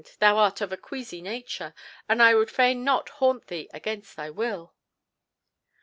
Thou art of a queasy nature, and I would fain not haunt thee against thy will."